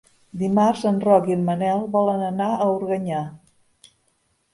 Dimarts en Roc i en Manel volen anar a Organyà.